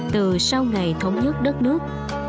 từ sau ngày thống nhất đất nước